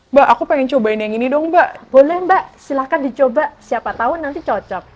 mbak aku pengen cobain yang ini dong mbak boleh mbak silahkan dicoba siapa tahu nanti cocok